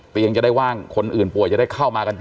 จะได้ว่างคนอื่นป่วยจะได้เข้ามากันต่อ